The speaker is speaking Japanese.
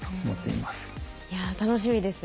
いや楽しみです。